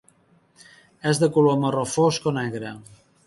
És de color marró fosc o negre.